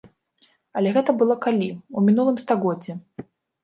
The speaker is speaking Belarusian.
Але гэта было калі, у мінулым стагоддзі!